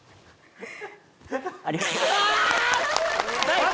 ありがとう最高！